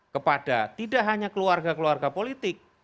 kepada tidak hanya keluarga keluarga politik